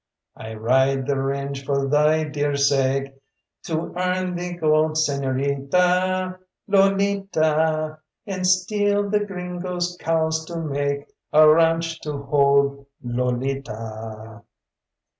"I ride the range for thy dear sake, To earn thee gold, Señorita, Lolita; And steal the gringo's cows to make A ranche to hold Lolita!"